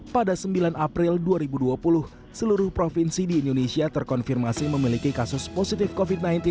pada sembilan april dua ribu dua puluh seluruh provinsi di indonesia terkonfirmasi memiliki kasus positif covid sembilan belas